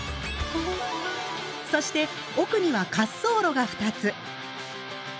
そして奥には滑走路が２つ。